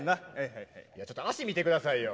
いや、ちょっと足、診てくださいよ。